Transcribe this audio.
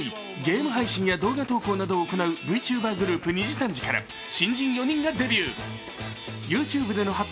４位、、ゲーム配信や動画投稿などを行うＶＴｕｂｅｒグループにじさんじから新人４人がデビュー。